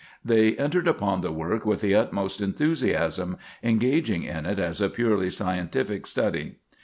They entered upon the work with the utmost enthusiasm; engaging in it as a purely scientific study.